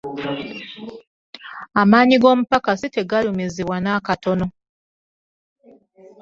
Amaanyi g'omupakasi tegalumizibwa n'akatono.